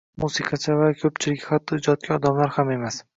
musiqachilar va ko‘pchiligi hatto, ijodkor odamlar ham emas